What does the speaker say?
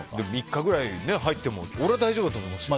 ３日ぐらい入っても俺は大丈夫だと思いますよ。